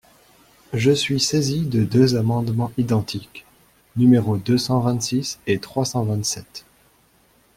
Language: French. Je suis saisie de deux amendements identiques, numéros deux cent vingt-six et trois cent vingt-sept.